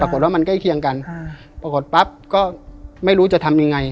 ปรากฏว่ามันใกล้เคียงกันปรากฏปั๊บก็ไม่รู้จะทำยังไง